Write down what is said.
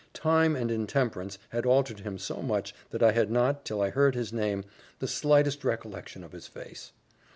Time and intemperance had altered him so much, that I had not, till I heard his name, the slightest recollection of his face.